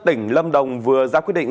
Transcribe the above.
tỉnh lâm đồng vừa ra quyết định